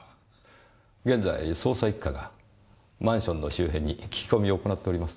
現在捜査一課がマンションの周辺に聞き込みを行っております。